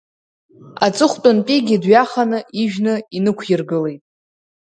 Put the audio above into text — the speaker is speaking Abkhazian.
Аҵыхәтәантәигьы дҩаханы ижәны инықәиргылеит…